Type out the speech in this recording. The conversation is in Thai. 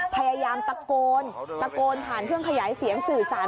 พยายามตะโกนตะโกนผ่านเครื่องขยายเสียงสื่อสาร